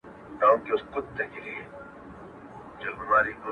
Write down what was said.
څنگه دي د زړه سيند ته غوټه سمه.